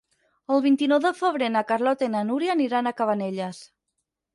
El vint-i-nou de febrer na Carlota i na Núria aniran a Cabanelles.